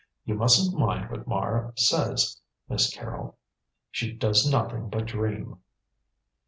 "You mustn't mind what Mara says, Miss Carrol: she does nothing but dream."